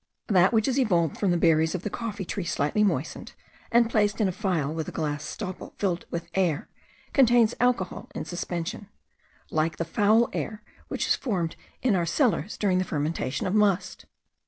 That which is evolved from the berries of the coffee tree slightly moistened, and placed in a phial with a glass stopple filled with air, contains alcohol in suspension; like the foul air which is formed in our cellars during the fermentation of must.